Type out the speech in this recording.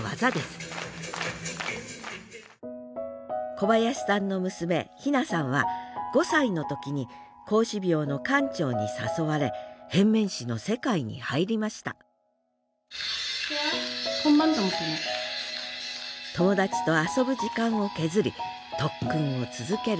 小林さんの娘妃那さんは５歳の時に孔子廟の館長に誘われ変面師の世界に入りました友達と遊ぶ時間を削り特訓を続ける